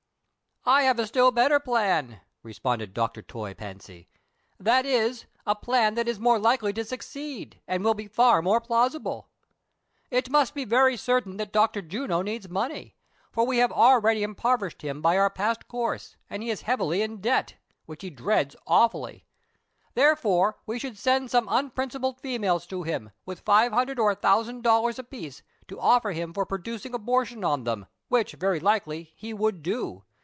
"I have still a better plan," responded Dr. Toy Fancy; " that is, a plan that is more likely to succeed, and will be far more plausible. It must be very certain that Dr. Juno needs money, for we have already impoverished him by our past course, and he is heavily in debt, which he dreads awfully ; therefore, we should send some unprincipled females to him, with five hundred or a thousand dollars a piece, to offer him for producing abortion on them, which, very likely, he would do.